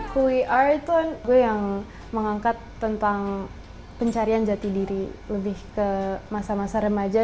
who we are itu lagu yang mengangkat tentang pencarian jati diri lebih ke masa masa remaja